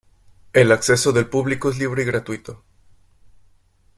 El acceso del público es libre y gratuito.